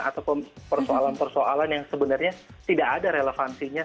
atau persoalan persoalan yang sebenarnya tidak ada relevansinya